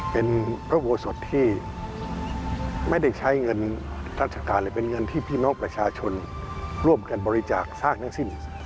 เป็นพระอุโบสถที่ไม่ได้ใช้เงินราชการเลยเป็นเงินที่พี่น้องประชาชนร่วมกันบริจาคสร้างทั้งสิ้น